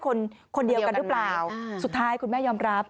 คนคนเดียวกันหรือเปล่าสุดท้ายคุณแม่ยอมรับ